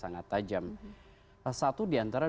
sangat tajam satu diantara